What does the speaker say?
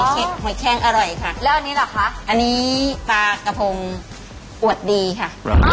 หอยแคงอร่อยค่ะแล้วอันนี้เหรอคะอันนี้ปลากระพงอวดดีค่ะ